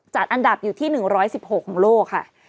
จัดอันดับอยู่ที่๑๑๖ของโลกค่ะ